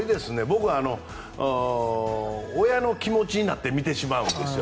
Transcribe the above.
僕は親の気持ちになって見てしまうんです。